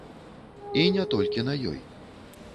І не толькі на ёй.